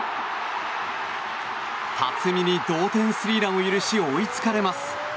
辰己に同点スリーランを許し追いつかれます。